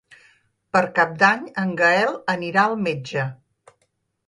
Per Cap d'Any en Gaël anirà al metge.